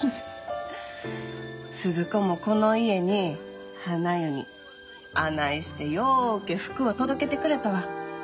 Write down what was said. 鈴子もこの家にはな湯にあないしてようけ福を届けてくれたわ。